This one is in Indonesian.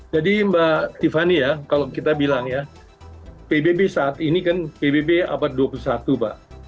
jadi mbak tiffany ya kalau kita bilang ya pbb saat ini kan pbb abad dua puluh satu mbak